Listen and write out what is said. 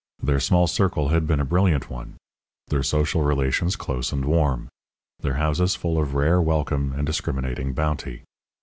Their small circle had been a brilliant one; their social relations close and warm; their houses full of rare welcome and discriminating bounty.